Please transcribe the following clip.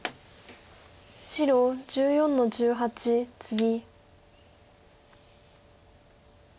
白１４の十八ツギ。